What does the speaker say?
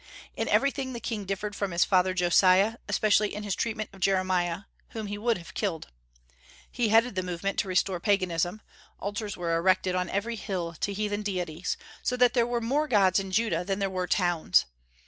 In everything the king differed from his father Josiah, especially in his treatment of Jeremiah, whom he would have killed. He headed the movement to restore paganism; altars were erected on every hill to heathen deities, so that there were more gods in Judah than there were towns.